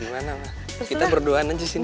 gimana ma kita berduaan aja disini